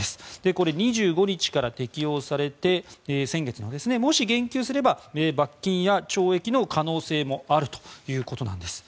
これ、先月２５日から適用されてもし言及すれば罰金や懲役の可能性もあるということなんです。